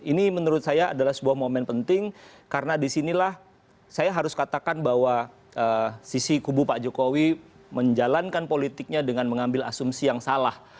ini menurut saya adalah sebuah momen penting karena disinilah saya harus katakan bahwa sisi kubu pak jokowi menjalankan politiknya dengan mengambil asumsi yang salah